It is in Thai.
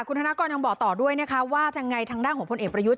คุณธนากรยังบอกต่อด้วยว่าทางด้านของผลเอกประยุทธ์